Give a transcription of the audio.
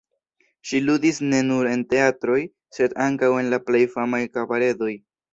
Ŝi ludis ne nur en teatroj, sed ankaŭ en la plej famaj kabaredoj.